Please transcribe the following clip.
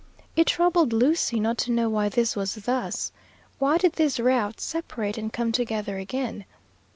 It troubled Lucy not to know why this was thus. Why did these routes separate and come together again?